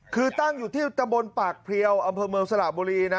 คือตั้งอยู่ที่ตำบลปากเพลียวอำเภอเมืองสระบุรีนะ